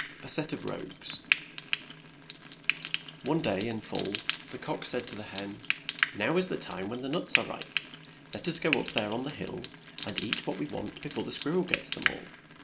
106 A SET OF ROGUES ONE day in fall the cock said to the hen, '' Now is the time when nuts are ripe ; let us go up there on the hill and eat what we want be fore the squir rel gets them all."